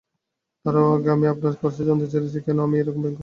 তারাও আগে আমি আপনার কাছে জানতে চাচ্ছি কেন আমি এ-রকম ভয়ংকর স্বপ্ন দেখছি?